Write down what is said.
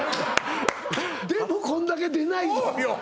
でもこんだけ出ないよ